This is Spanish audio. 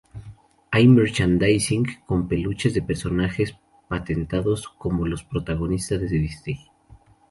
Hay merchandising con peluches de personajes patentados como los protagonistas de Disney.